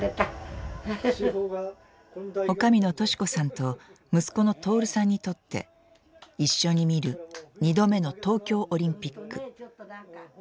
女将の敏子さんと息子の徹さんにとって一緒に見る２度目の東京オリンピック。